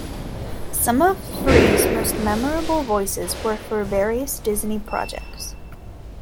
Some of Frees' most memorable voices were for various Disney projects.